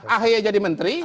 ahaya jadi menteri